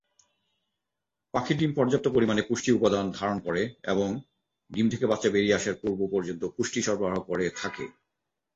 পাখির ডিম পর্যাপ্ত পরিমাণে পুষ্টি উপাদান ধারণ করে এবং ডিম থেকে বাচ্চা বেরিয়ে আসার পূর্ব পর্যন্ত পুষ্টি সরবরাহ করে থাকে।